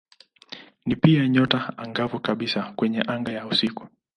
Ni pia nyota angavu kabisa kwenye anga ya usiku.